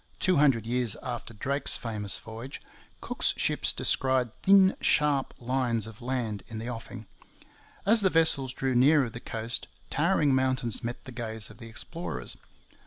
] On March 7, 1778 two hundred years after Drake's famous voyage Cook's ships descried thin, sharp lines of land in the offing. As the vessels drew nearer the coast towering mountains met the gaze of the explorers.